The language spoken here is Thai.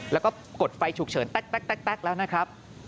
แล้วก็กดไฟฉุกเฉินแต๊กแล้วนะครับ